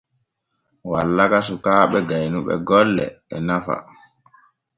Wallaka suukaaɓe gaynuɓe golle e nafa.